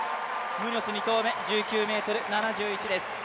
ムニョス２投目１９ｍ７１です。